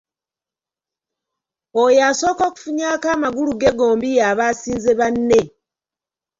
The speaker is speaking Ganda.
Oyo asooka okufunyaako amagulu ge gombi y'aba asinze banne.